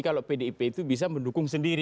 kalau pdip itu bisa mendukung sendiri